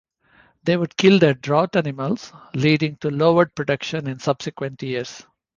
They would kill their draught animals, leading to lowered production in subsequent years.